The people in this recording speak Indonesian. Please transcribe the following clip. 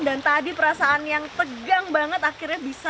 dan tadi perasaan yang tegang banget akhirnya bisa